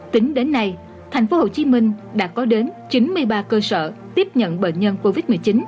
tính đến nay thành phố hồ chí minh đã có đến chín mươi ba cơ sở tiếp nhận bệnh nhân covid một mươi chín